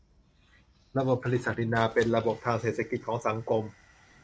ระบบผลิตศักดินาเป็นระบบทางเศรษฐกิจของสังคม